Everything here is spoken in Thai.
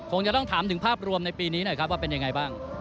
คงจะต้องถามถึงภาพรวมในปีนี้หน่อยครับว่าเป็นยังไงบ้าง